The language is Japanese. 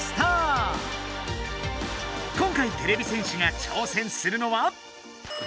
今回てれび戦士が挑戦するのは？